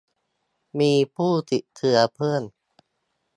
มีผู้ติดเชื้อเพิ่ม